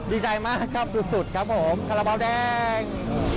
ดีใจมากครับสุดครับผมคาราบาลแดง